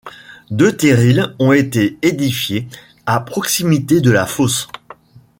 Deux terrils ont été édifiés à proximité de la fosse.